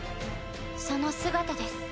その姿です。